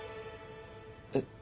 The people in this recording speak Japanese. えっ。